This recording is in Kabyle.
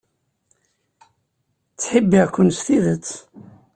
Ttḥibbiɣ-ken s tidet.